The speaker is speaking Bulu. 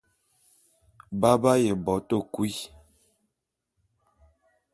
Ba b'aye bo te kui.